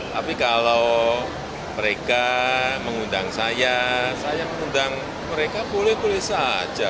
tapi kalau mereka mengundang saya saya mengundang mereka boleh boleh saja